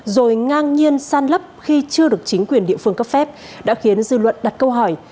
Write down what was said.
rồi ngang nhiên san lấp khi chưa được chính quyền địa phương cấp phép đã khiến dư luận đặt câu hỏi